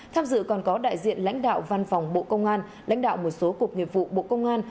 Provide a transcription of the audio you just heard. tham dự còn có đại diện lãnh đạo văn phòng bộ công an lãnh đạo một số cục nghiệp vụ bộ công an